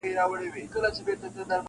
• زما غمی یې دی له ځانه سره وړﺉ..